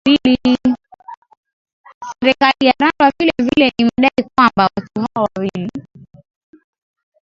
Serikali ya Rwanda vile vile imedai kwamba watu hao wawili